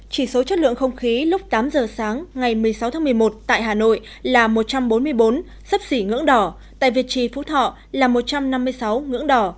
chỉ số chất lượng không khí lúc tám giờ sáng ngày một mươi sáu tháng một mươi một tại hà nội là một trăm bốn mươi bốn sấp xỉ ngưỡng đỏ tại việt trì phú thọ là một trăm năm mươi sáu ngưỡng đỏ